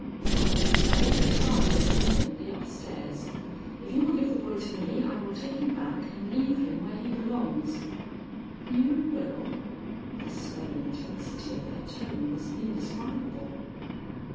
From what you say, his father is evidently upstairs; if you will give the boy to me, I will take him back and leave him where he belongs." "You will?" The slow intensity of her tone was indescribable.